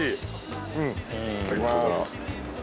いただきまーす